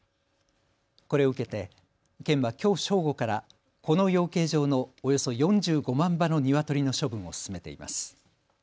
これを受けて県はきょう正午からこの養鶏場のおよそ４５万羽のニワトリの処分を進めています。